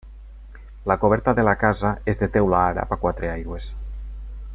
La coberta de la casa és de teula àrab a quatre aigües.